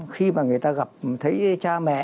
khi mà người ta gặp thấy cha mẹ